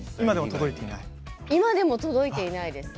今でも届いていないんですか。